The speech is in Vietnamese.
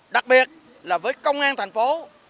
đặc biệt là với công an thành phố